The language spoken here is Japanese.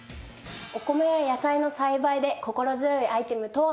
お米や野菜の栽培で心強いアイテムとは？